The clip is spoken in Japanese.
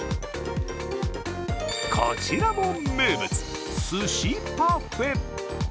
こちらも名物、寿司パフェ。